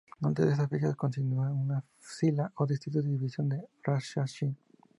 Antes de esa fecha constituía un zila o distrito de la división de Rajshahi.